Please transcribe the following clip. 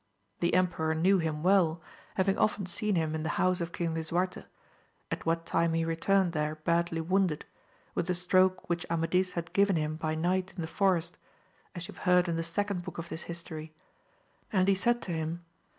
The emperor knew him well, having often seen him in the house of King Lisuarte, at what time he returned there badly wounded, with the stroke which Amadis had given him by night in the forest, as you have heard in the second book of this history ; and he said to him.